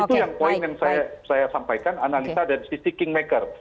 itu yang poin yang saya sampaikan analisa dari sisi kingmaker